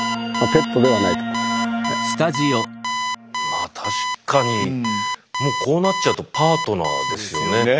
まあ確かにもうこうなっちゃうとパートナーですよね。